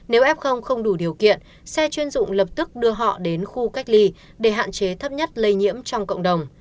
nếu f không đủ điều kiện xe chuyên dụng lập tức đưa họ đến khu cách ly để hạn chế thấp nhất lây nhiễm trong cộng đồng